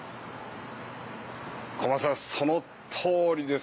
小松さんそのとおりです。